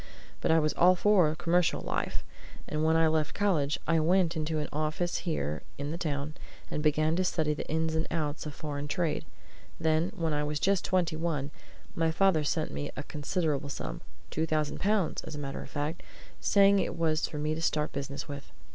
But I was all for commercial life; and when I left college, I went into an office here in the town and began to study the ins and outs of foreign trade. Then, when I was just twenty one, my father sent me a considerable sum two thousand pounds, as a matter of fact saying it was for me to start business with.